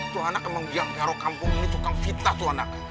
tuhanak emang diam karo kampung ini tukang fitnah tuhanak